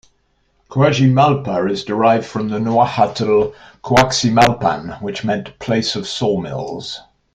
"Cuajimalpa" is derived from the Nahuatl "Cuauhximalpan" which meant place of sawmills.